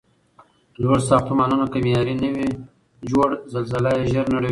لوړ ساختمونه که معیاري نه وي جوړ، زلزله یې زر نړوي.